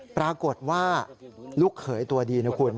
ปรากฏว่าลูกเขยตัวดีนะคุณ